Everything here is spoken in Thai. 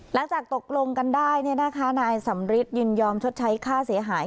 หลังจากตกลงกันได้นายสำริทยินยอมชดใช้ค่าเสียหาย